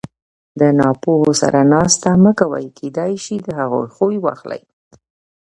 د ناپوهو سره ناسته مه کوئ! کېداى سي د هغو خوى واخلى!